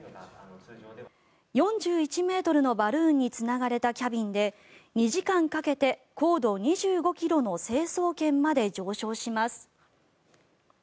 ４１ｍのバルーンにつながれたキャビンで２時間かけて、高度２５ｋｍの成層圏まで上昇します。